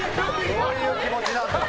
どういう気持ちなんだよ。